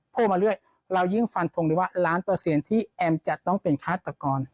โพลมาเรื่อยเรายิ่งฟันทงเลยว่าล้านเปอร์เซียนที่แอมจะต้องเป็นค้าต่อกร